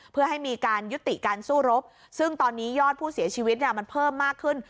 เพื่อให้มีการยุติการสู้รบซึ่งตอนนี้ยอดผู้เสียชีวิตเนี่ยมันเพิ่มมากขึ้น